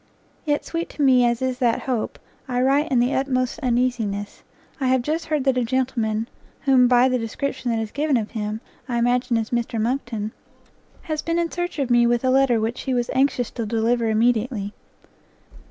Yet sweet to me as is that hope, I write in the utmost uneasiness; I have just heard that a gentleman, whom, by the description that is given of him, I imagine is Mr Monckton, has been in search of me with a letter which he was anxious to deliver immediately.